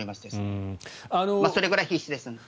それぐらい必死なんです。